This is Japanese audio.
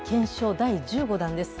第１５弾です。